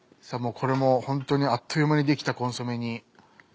これもう本当にあっという間にできたコンソメ煮。